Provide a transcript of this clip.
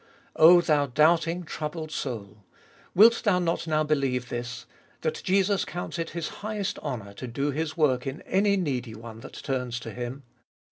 O thou doubting troubled soul ! wilt thou not now believe this : that Jesus counts it His highest honour to do His work in any needy one that turns to Him?